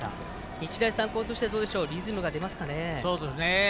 日大三高としてはリズムが出ますかね。